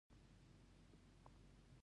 د پښتنو په کلتور کې ازادي تر هر څه لوړه ده.